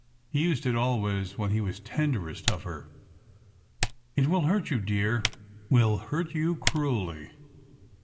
He used it always when he was tenderest of her. ''—it will hurt you, dear,— will hurt you cruelly!